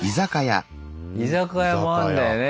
居酒屋もあるんだよね。